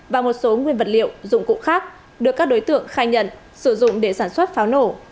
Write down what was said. và một số nguyên vật liệu dụng cụ khác được các đối tượng khai nhận sử dụng để sản xuất pháo nổ